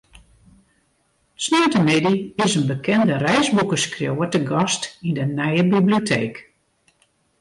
Sneontemiddei is in bekende reisboekeskriuwer te gast yn de nije biblioteek.